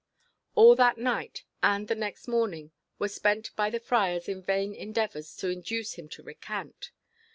'" All that night and the next morning were spent by the friars in vain endeavours to induce him to recant.